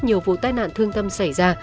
nhiều vụ tai nạn thương tâm xảy ra